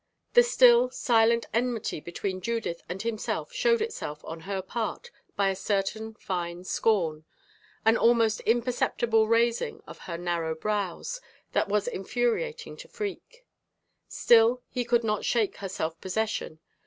The still, silent enmity between Judith and himself showed itself, on her part, by a certain fine scorn an almost imperceptible raising of her narrow brows, that was infuriating to Freke. Still, he could not shake her self possession.